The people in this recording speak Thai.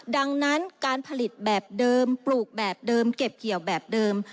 ดังนั้นการผลิตแบบเดิมปลูกแบบเดิมเก็บเกี่ยวแบบเดิม